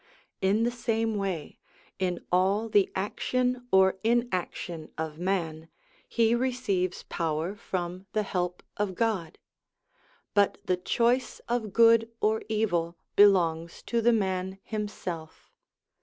In the same way, in all the action or inaction of man, he receives power from the help of God; but the choice of good or evil belongs to the man himself.